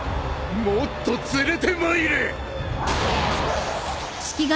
もっと連れて参れ！